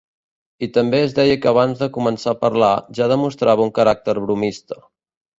I també es deia que abans de començar a parlar, ja demostrava un caràcter bromista.